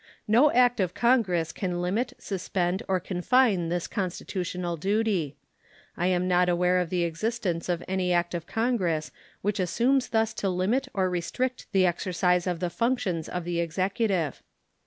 No act of Congress can limit, suspend, or confine this constitutional duty. I am not aware of the existence of any act of Congress which assumes thus to limit or restrict the exercise of the functions of the Executive.